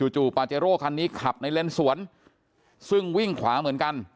จู่ปาเจโร่คันนี้ขับในเลนสวนซึ่งวิ่งขวาเหมือนกัน